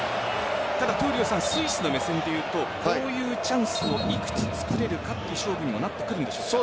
ただ闘莉王さんスイスの目線で言うとこういうチャンスを幾つつくれるかという勝負にはなってくるんでしょうか。